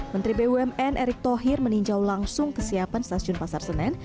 menteri bumn erick thohir meninjau langsung kesiapan stasiun pasar senen